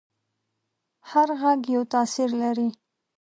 هر غږ یو تاثیر لري.